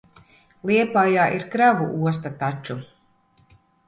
Liepājā ir kravu osta taču.